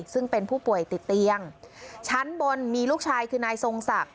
ซึ่งเป็นผู้ป่วยติดเตียงชั้นบนมีลูกชายคือนายทรงศักดิ